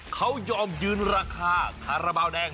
เขายอมยืนราคาคาราบาลแดง